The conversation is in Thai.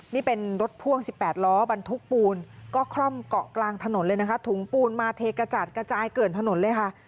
นี่เป็นรถพ่วงสิบแปดล้อบรรทุกปูนก็คร่อมเกาะกลางถนนเลยนะคะ